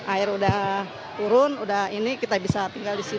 air udah turun udah ini kita bisa tinggal di sini